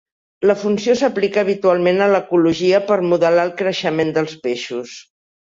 La funció s'aplica habitualment a l'ecologia per modelar el creixement dels peixos.